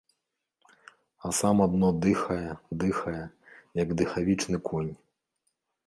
А сам адно дыхае, дыхае, як дыхавічны конь.